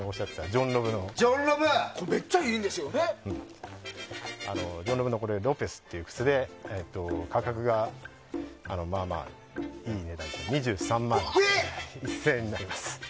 ジョンロブのロペスっていう靴で価格がまあまあいい値段で２３万１０００円になります。